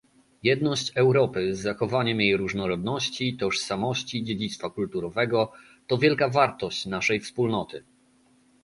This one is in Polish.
Jedność Europy z zachowaniem jej różnorodności, tożsamości, dziedzictwa kulturowego to wielka wartość naszej Wspólnoty